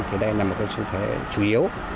thì đây là một cái xu thế chủ yếu